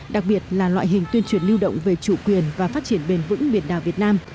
đặc biệt là loại hình tuyên truyền lưu động về chủ quyền và phát triển bền vững biển đảo việt nam